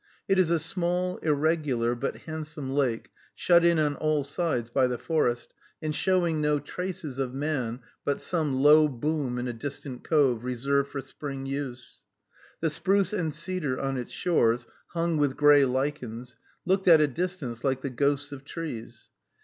It is a small, irregular, but handsome lake, shut in on all sides by the forest, and showing no traces of man but some low boom in a distant cove, reserved for spring use. The spruce and cedar on its shores, hung with gray lichens, looked at a distance like the ghosts of trees.